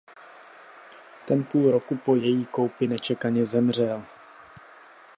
Ten půl roku po její koupi nečekaně zemřel.